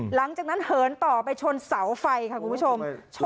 หลังจากนั้นเหินต่อไปชนเสาไฟค่ะคุณผู้ชม